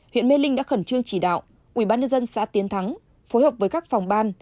huyện mê linh đã khẩn trương chỉ đạo ubnd xã tiến thắng phối hợp với các phòng ban